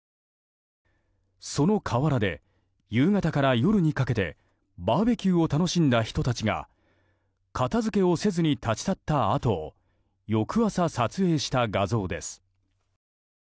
その河原で夕方から夜にかけてバーベキューを楽しんだ人たちが片づけをせずに立ち去った跡を翌朝、撮影した画像です。